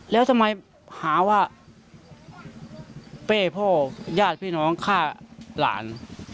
แล้วทำไมหาว่าเป้พ่อญาติพี่น้องฆ่าหลาน